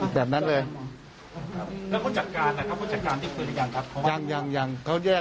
ตอนนั้นนี่เขาอาจจะเครียด